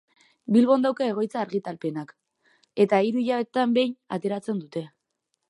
Bilbon dauka egoitza argitalpenak, eta hiru hilabetean behin ateratzen dute.